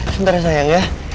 sebentar ya sayang ya